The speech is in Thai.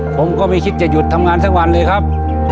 ผมก็ไม่คิดจะหยุดทำงานทั้งวันเลยครับ